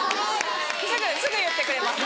すぐ言ってくれます